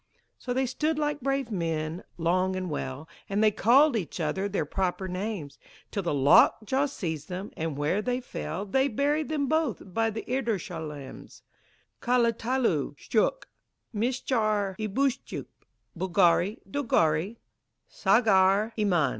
So they stood like brave men, long and well, And they called each other their proper names, Till the lock jaw seized them, and where they fell They buried them both by the Irdosholames Kalatalustchuk Mischaribustchup Bulgari Dulgari Sagharimainz.